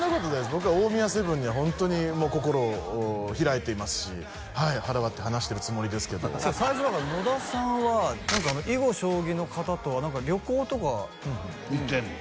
僕は大宮セブンにはホントに心を開いていますし腹割って話してるつもりですけど最初だから野田さんは何か囲碁将棋の方とは旅行とか行ってんの？